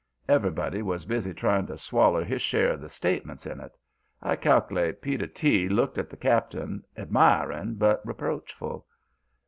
Everybody was busy trying to swaller his share of the statements in it, I cal'late. Peter T. looked at the Cap'n, admiring but reproachful.